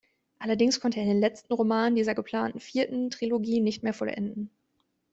Allerdings konnte er den letzten Roman dieser geplanten vierten Trilogie nicht mehr vollenden.